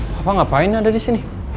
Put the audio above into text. papa ngapain ada disini